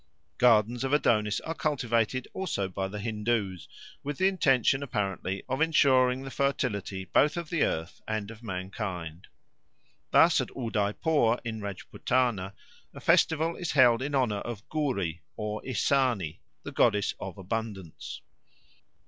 Gardens of Adonis are cultivated also by the Hindoos, with the intention apparently of ensuring the fertility both of the earth and of mankind. Thus at Oodeypoor in Rajputana a festival is held in honour of Gouri, or Isani, the goddess of abundance.